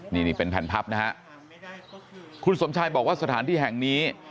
นี่นี่เป็นแผ่นพับนะฮะคุณสมชายบอกว่าสถานที่แห่งนี้